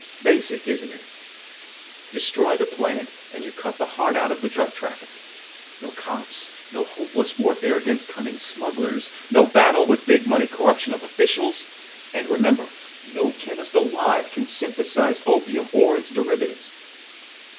Basic, isn't it? Destroy the plant, and you cut the heart out of the drug traffic. No cops; no hopeless warfare against cunning smugglers; no battle with big money corruption of officials. And remember: no chemist alive can synthesize opium or its derivatives.